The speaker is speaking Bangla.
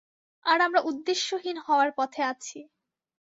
আর আমরা উদ্দেশ্যহীন হওয়ার পথে আছি।